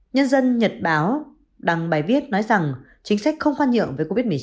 nhân dân nhật báo đăng bài viết nói rằng chính sách không khoan nhượng với covid một mươi chín